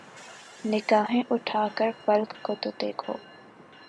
نگاھیں اٹھا کر فلک کو تو دیکھو